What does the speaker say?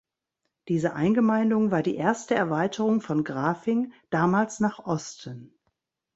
Diese Eingemeindung war die erste Erweiterung von Grafing, damals nach Osten.